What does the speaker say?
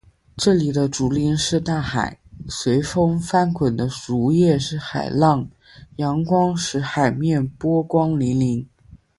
这里的竹林是大海，随风翻滚的竹叶是海浪，阳光使“海面”波光粼粼。